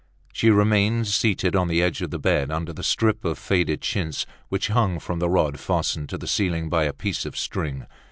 She remained seated on the edge of the bed, under the strip of faded chintz, which hung from the rod fastened to the ceiling by a piece of string.